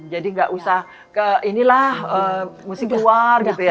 jadi gak usah ke inilah musik luar gitu ya